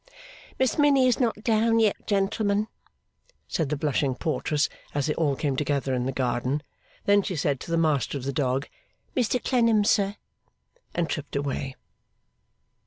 'Miss Minnie is not down yet, gentlemen,' said the blushing portress, as they all came together in the garden. Then she said to the master of the dog, 'Mr Clennam, sir,' and tripped away.